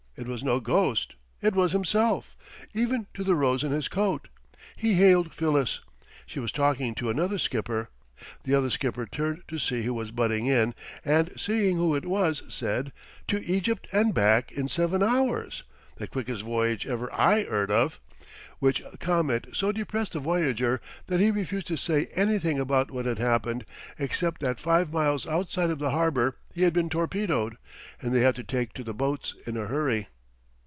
It was no ghost. It was himself, even to the rose in his coat. He hailed Phyllis. She was talking to another skipper. The other skipper turned to see who was butting in, and seeing who it was, said: "To Egypt and back in seven hours the quickest voyage ever I 'eard of!" Which comment so depressed the voyager that he refused to say anything about what had happened, except that five miles outside of the harbor he had been torpedoed, and they had to take to the boats in a hurry.